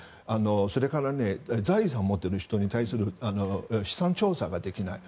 それから財産を持っている人に対する資産調査ができない。